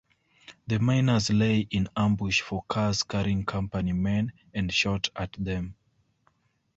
The miners lay in ambush for cars carrying company men, and shot at them.